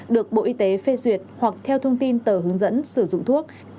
được bộ y tế phê duyệt hoặc theo thông tin tờ hướng dẫn sử dụng thuốc